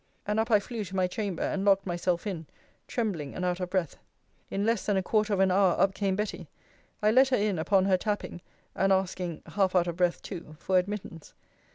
And up I flew to my chamber, and locked myself in, trembling and out of breath. In less than a quarter of an hour, up came Betty. I let her in upon her tapping, and asking (half out of breath too) for admittance.